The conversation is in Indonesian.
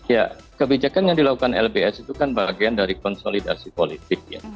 ya kebijakan yang dilakukan lbs itu kan bagian dari konsolidasi politik ya